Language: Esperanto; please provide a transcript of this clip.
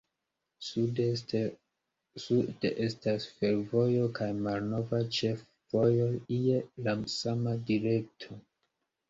Sude estas fervojo kaj malnova ĉefvojo je la sama direkto.